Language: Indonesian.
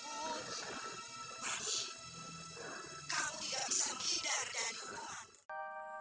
wadi kamu tidak bisa menghidar dan dihormati